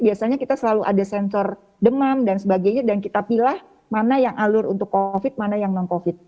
biasanya kita selalu ada sensor demam dan sebagainya dan kita pilih mana yang alur untuk covid mana yang non covid